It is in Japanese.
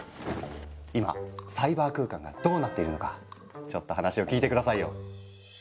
今サイバー空間がどうなっているのかちょっと話を聞いて下さいよ。